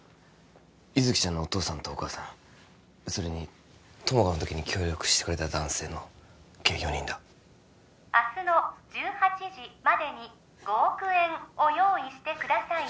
優月ちゃんのお父さんとお母さんそれに友果の時に協力してくれた男性の計４人だ明日の１８時までに５億円を用意してください